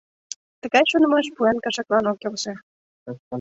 Тыгай шонымаш поян кашаклан ок келше.